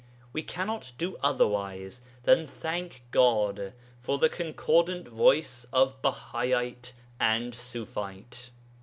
We cannot do otherwise than thank God for the concordant voice of Bahaite and Ṣufite.